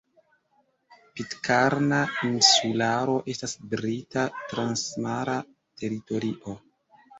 Pitkarna Insularo estas Brita transmara teritorio.